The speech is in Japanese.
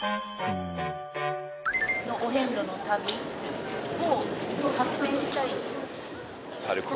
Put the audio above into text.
お遍路の旅を撮影したい。